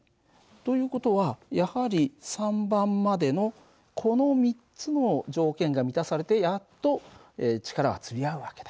という事はやはり３番までのこの３つの条件が満たされてやっと力がつり合う訳だ。